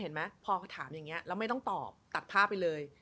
เห็นไหมพอเขาถามอย่างนี้แล้วไม่ต้องตอบตัดภาพไปเลย